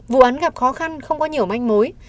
vụ án gặp khó khăn không có nhiều manh mối